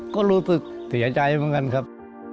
ก็รู้สึกเสียใจเหมือนกันครับ